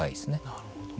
なるほど。